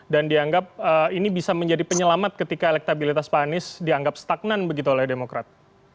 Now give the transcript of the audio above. dan dianggap ini bisa menjadi penyelamat ketika elektabilitas panis dianggap stagnan begitu oleh demokrat